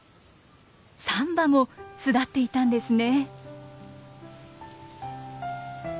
３羽も巣立っていたんですね。